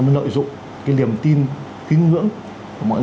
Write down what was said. mới nội dụng cái niềm tin kín ngưỡng mọi